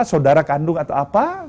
saudara kandung atau apa